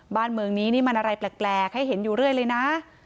บ้านเมืองนี้นี่มันอะไรแปลกให้เห็นอยู่เรื่อยเลยนะ